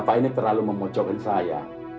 bapak ini terlalu memocokkan saya